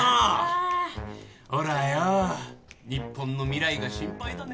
日本の未来が心配だね。